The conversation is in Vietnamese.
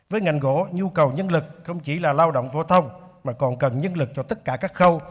với ngành gỗ nhu cầu nhân lực không chỉ là lao động phổ thông mà còn cần nhân lực cho tất cả các khâu